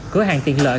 cửa hàng tiện lợi